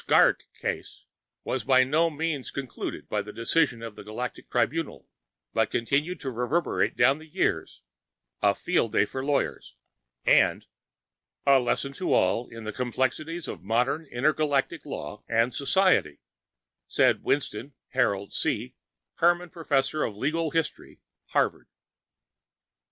Skrrgck_] The Skrrgck case was by no means concluded by the decision of the Galactic Tribunal, but continued to reverberate down the years, a field day for lawyers, and "a lesson to all in the complexities of modern intergalactic law and society," said Winston, Harold C, Herman Prof, of Legal History, Harvard.